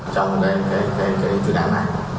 trong đề kể trị đảm này